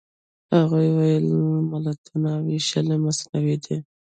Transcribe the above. هغوی ویل ملتونو وېشل مصنوعي دي.